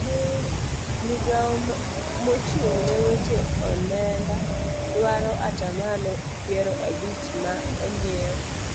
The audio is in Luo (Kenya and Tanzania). migawo mochung' ne weche onenda dwaro atamalo piero abich ma onyiew